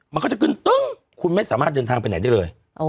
มันก็จะขึ้นตึ้งคุณไม่สามารถเดินทางไปไหนได้เลย